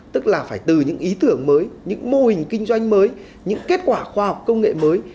tức là phải từ những ý tưởng mới những mô hình kinh doanh mới những kết quả khoa học công nghệ mới